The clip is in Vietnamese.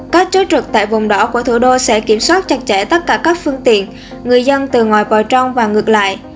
các chốt trực tại vùng đỏ của thủ đô sẽ kiểm soát chặt chẽ tất cả các phương tiện người dân từ ngoài vào trong và ngược lại